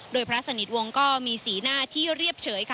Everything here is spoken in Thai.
โดยพระสนิทวงศ์ก็มีสีหน้าที่เรียบเฉยค่ะ